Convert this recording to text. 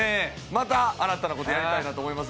また新たな事やりたいなと思いますんで。